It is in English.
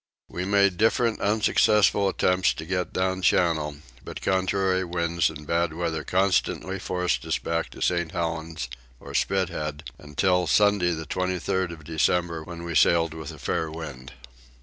We made different unsuccessful attempts to get down Channel, but contrary winds and bad weather constantly forced us back to St. Helen's, or Spithead, until Sunday the 23rd of December when we sailed with a fair wind.